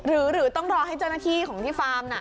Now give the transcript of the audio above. หรือต้องรอให้เจ้าหน้าที่ของที่ฟาร์มน่ะ